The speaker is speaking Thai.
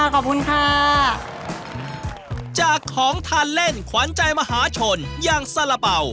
ขอบคุณค่ะจากของทานเล่นขวัญใจมหาชนอย่างสาระเป๋า